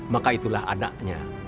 maka itulah anaknya